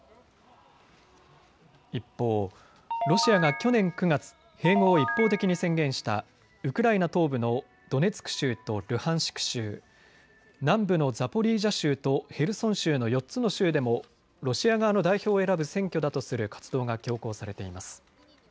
一方、ロシアが去年９月、併合を一方的に宣言したウクライナ東部のドネツク州とルハンシク州南部のザポリージャ州とヘルソン州の４つの州でもロシア側の代表を選ぶ選挙だとする活動が強行されています。